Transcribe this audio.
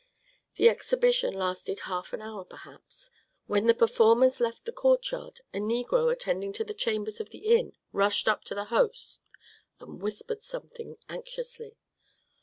The exhibition lasted half an hour perhaps. When the performers left the courtyard, a negro attending to the chambers of the inn rushed up to the host and whispered something anxiously.